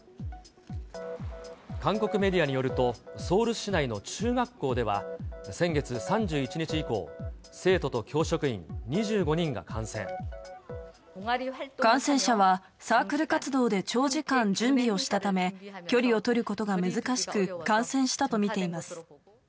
韓国メディアによると、ソウル市内の中学校では、先月３１日以降、感染者は、サークル活動で長時間準備をしたため、距離を取ることが難しく、感染したと見ています。